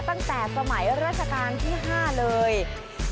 ตั้งแต่สมัยรัชกาลที่๕นาที